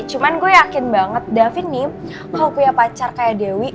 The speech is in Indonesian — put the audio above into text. cuman gue yakin banget david nih mau punya pacar kayak dewi